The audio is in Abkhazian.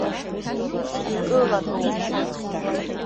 Икылатәоуп.